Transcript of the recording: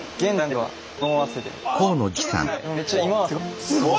はい。